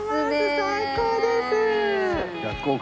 最高です。